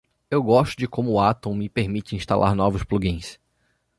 Eu gosto de como o Atom me permite instalar novos plugins.